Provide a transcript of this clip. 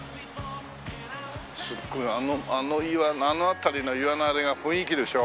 すっごいあの岩あの辺りの岩のあれが雰囲気でしょ。